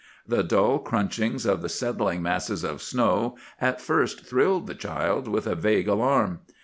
The dull crunchings of the settling masses of snow at first thrilled the child with a vague alarm.